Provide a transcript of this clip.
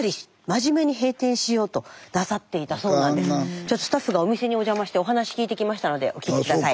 ちょっとスタッフがお店にお邪魔してお話聞いてきましたのでお聞き下さい。